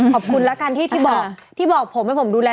ขอบคุณแล้วกันที่บอกที่บอกผมให้ผมดูแล